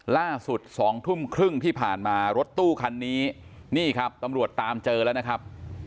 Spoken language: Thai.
๒ทุ่มครึ่งที่ผ่านมารถตู้คันนี้นี่ครับตำรวจตามเจอแล้วนะครับ